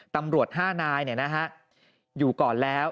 ตำรวจ๕นายเนี่ยนะฮะอยู่ก่อนแล้ว